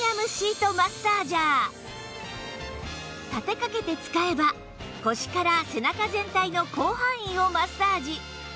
立てかけて使えば腰から背中全体の広範囲をマッサージ